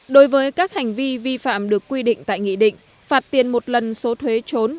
đối với các hành vi vi phạm được quy định tại nghị định phạt tiền một lần số thuế trốn